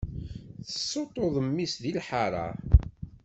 Tessuṭṭuḍ mmi-s di lḥaṛa.